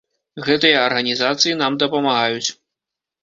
Гэтыя арганізацыі нам дапамагаюць.